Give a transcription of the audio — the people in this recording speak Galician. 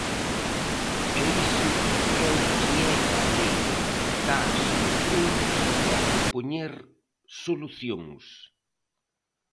E iso é o que é a lei: dar solucións e propoñer solucións.